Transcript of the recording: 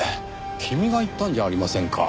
君が言ったんじゃありませんか。